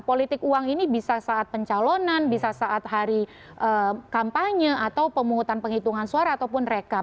politik uang ini bisa saat pencalonan bisa saat hari kampanye atau pemungutan penghitungan suara ataupun rekap